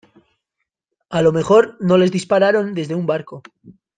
a lo mejor no les dispararon desde un barco.